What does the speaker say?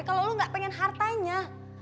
kalau lo gak pengen hartanya